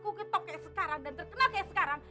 aku ketop kayak sekarang dan terkenal kayak sekarang